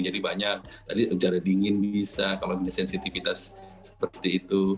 banyak tadi jarak dingin bisa kalau punya sensitivitas seperti itu